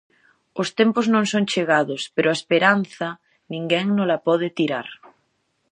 Os tempos non son chegados, pero a esperanza ninguén nola pode tirar.